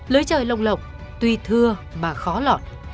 lưới trời lồng lộng tuy thưa mà khó lọt